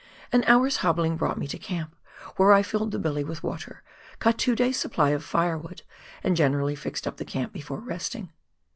An hour's hobbling brought me to camp, where I filled the billy with water, cut two days' supply of firewood, and generally fixed up the camp before resting.